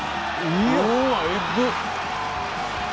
うわえぐっ。